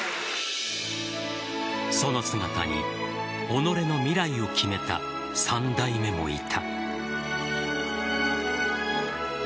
その姿に己の未来を決めた３代目もいた。